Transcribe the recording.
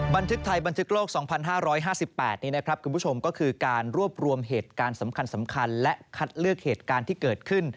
บันทึกไทยบันทึกโลก๒๕๕๘คือการรวบรวมเหตุการณ์สำคัญและคัดเลือกเหตุการณ์ที่เกิดขึ้น